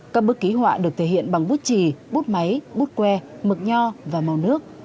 các bức ký họa được thể hiện bằng bút trì bút máy bút que mực nho và màu nước